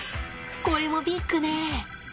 これもビッグね。